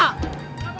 eh kacang hijau